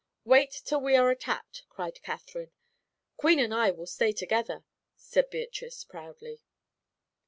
"Wait till we are attacked," cried Katherine. "Queen and I will stay together," said Beatrice, proudly.